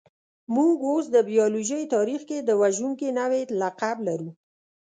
موږ اوس د بایولوژۍ تاریخ کې د وژونکي نوعې لقب لرو.